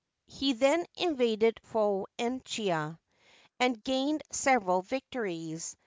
He then invaded Phoenicia and gained several victories.